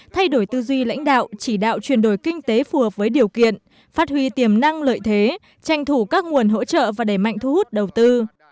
thay đổi tư duy lãnh đạo chỉ đạo chuyển đổi kinh tế phù hợp với điều kiện phát huy tiềm năng lợi thế tranh thủ các nguồn hỗ trợ và đẩy mạnh thu hút đầu tư